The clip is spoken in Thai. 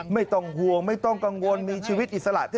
ไม่ต้องห่วงไม่ต้องกังวลมีชีวิตอิสระ